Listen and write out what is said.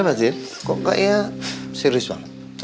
kenapa zin kok kayaknya serius banget